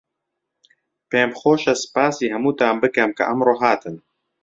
پێم خۆشە سپاسی هەمووتان بکەم کە ئەمڕۆ هاتن.